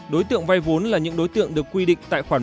đối tượng vay vốn là những đối tượng được quy định tại khoản